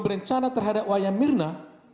berencana terhadap wayamirna